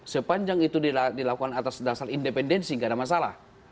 sepanjang itu dilakukan atas dasar independensi gak ada masalah